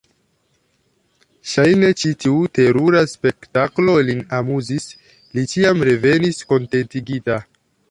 Ŝajne, ĉi tiu terura spektaklo lin amuzis: li ĉiam revenis kontentigita.